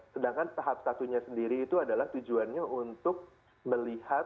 sedangkan tahap satunya sendiri itu adalah tujuannya untuk melihat